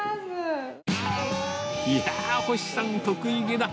いやー、星さん得意げだ。